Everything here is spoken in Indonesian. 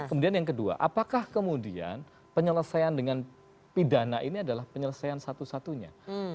kemudian yang kedua apakah kemudian penyelesaian dengan pidana ini adalah penyelesaian satu satunya